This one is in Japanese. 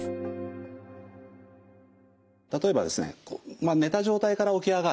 例えばですね寝た状態から起き上がる。